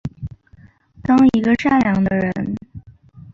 当一个善良的人